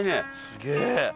すげえ。